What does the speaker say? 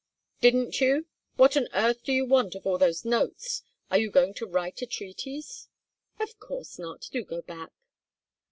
"Didn't you? What on earth do you want of all those notes? Are you going to write a treatise?" "Of course not. Do go back."